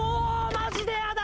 マジで嫌だ！